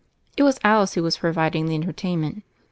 It was Alice who was providing the entertainment.